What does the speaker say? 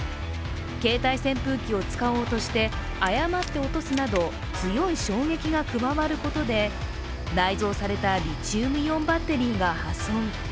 携帯扇風機を使おうとして誤って落とすなど強い衝撃が加わることで内蔵されたリチウムイオンバッテリーが破損。